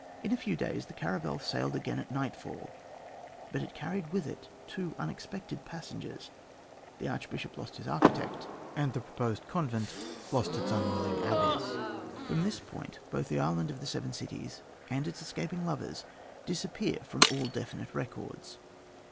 In a few days the caravel sailed again at nightfall; but it carried with it two unexpected passengers; the archbishop lost his architect, and the proposed convent lost its unwilling abbess. From this point both the Island of the Seven Cities and its escaping lovers disappear from all definite records.